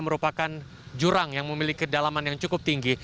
merupakan jurang yang memiliki kedalaman yang cukup tinggi